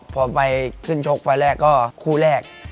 พอไปขึ้นชกไฟล์แรกก็คู่แรก